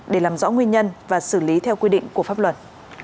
để làm rõ nguyên nhân và xử lý theo quy định của pháp luật